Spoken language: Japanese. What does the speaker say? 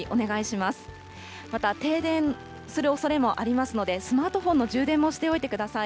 また、停電するおそれもありますので、スマートフォンの充電もしておいてください。